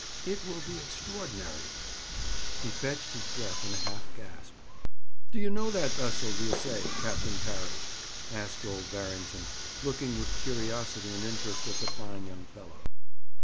It will be extraordinary!' He fetched his breath in a half gasp. 'Do you know that vessel, d'ye say, Captain Parry?' asked old Barrington, looking with curiosity and interest at the fine young fellow.